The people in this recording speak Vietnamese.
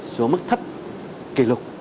xuống mức thấp kỷ lục